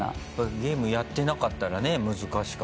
ゲームやってなかったらね難しかった。